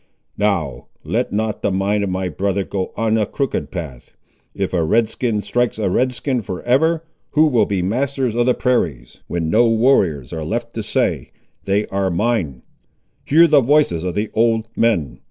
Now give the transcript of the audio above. "Now, let not the mind of my brother go on a crooked path. If a Red skin strikes a Red skin for ever, who will be masters of the prairies, when no warriors are left to say, 'They are mine?' Hear the voices of the old men.